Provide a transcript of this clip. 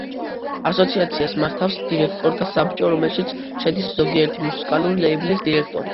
ასოციაციას მართავს დირექტორთა საბჭო, რომელშიც შედის ზოგიერთი მუსიკალური ლეიბლის დირექტორი.